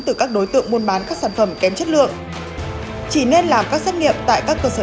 từ các đối tượng buôn bán các sản phẩm kém chất lượng chỉ nên làm các xét nghiệm tại các cơ sở